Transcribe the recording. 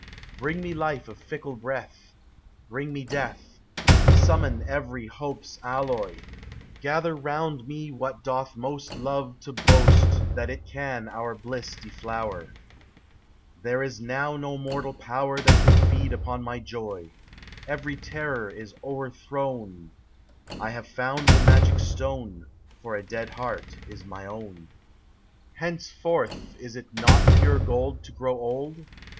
26 BRING me life of fickle breath, Bring me death ; Summon every hope's alloy ; Gather round me what doth most Love to boast That it can our bliss deflower 1 There is now no mortal power That can feed upon my joy ; Every terror is overthrown : I have found the magic stone, For a dead heart is my own. Henceforth is it not pure gold To grow old